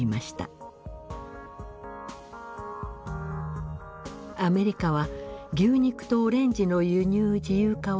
アメリカは牛肉とオレンジの輸入自由化を強く要求してきました。